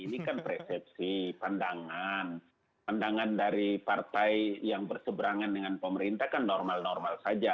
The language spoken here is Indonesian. ini kan persepsi pandangan pandangan dari partai yang berseberangan dengan pemerintah kan normal normal saja